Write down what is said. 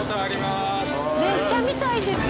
列車みたいですよ。